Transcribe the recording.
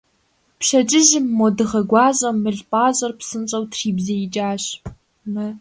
Пщэдджыжьым мо дыгъэ гуащӀэм мыл пӀащӀэр псынщӀэу трибзеикӀащ.